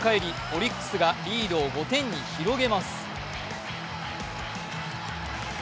オリックスがリードを５点に広げます。